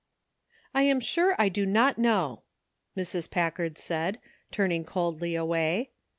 "I am sure I do not know," Mrs. Packard said, turning coldly away.